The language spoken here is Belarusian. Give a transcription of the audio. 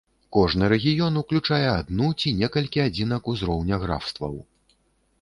Кожны рэгіён уключае адну ці некалькі адзінак узроўня графстваў.